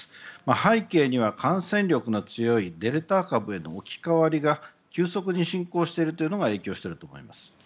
背景には感染力の強いデルタ株への置き換わりが急速に進行しているのが影響していると思います。